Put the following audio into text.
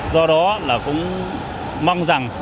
do đó là cũng mong rằng